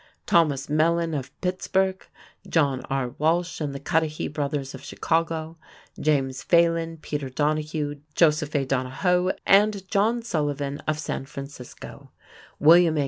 Thomas Mellon of Pittsburgh; John R. Walsh and the Cudahy brothers of Chicago; James Phelan, Peter Donahue, Joseph A. Donohoe, and John Sullivan of San Francisco; William A.